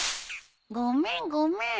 ごめんごめん。